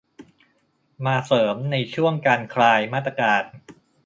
มาเสริมในช่วงการคลายมาตรการ